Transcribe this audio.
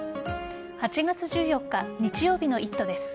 ８月１４日日曜日の「イット！」です。